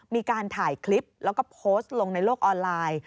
มีการถ่ายคลิปแล้วก็โพสต์ลงในโลกออนไลน์